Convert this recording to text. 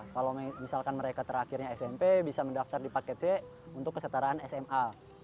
kalau misalkan mereka terakhirnya smp bisa mendaftar di paket c untuk kesetaraan sma